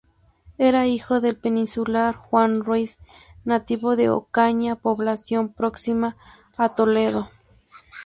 Era hijo del peninsular Juan Ruiz, nativo de Ocaña, población próxima a Toledo.